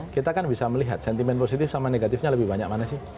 kita kan bisa melihat sentimen positif sama negatifnya lebih banyak mana sih